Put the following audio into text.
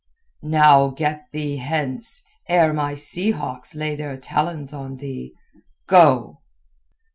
"Now get thee hence, ere my sea hawks lay their talons on thee. Go!"